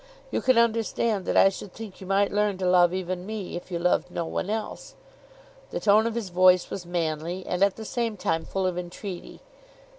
You can understand that I should think you might learn to love even me, if you loved no one else." The tone of his voice was manly, and at the same time full of entreaty.